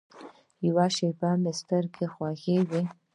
یوه شېبه مې سترګې خوږې وې.